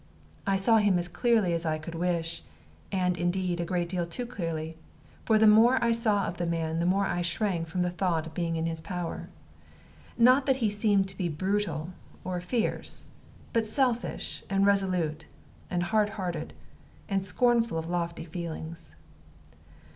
I saw him as clearly as I could wish, and, indeed, a great deal too clearly; for the more I saw of the man, the more I shrank from the thought of being in his power. Not that he seemed to be brutal or fierce, but selfish, and resolute, and hard hearted, and scornful of lofty feelings.